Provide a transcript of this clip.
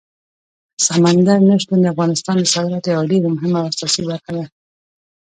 سمندر نه شتون د افغانستان د صادراتو یوه ډېره مهمه او اساسي برخه ده.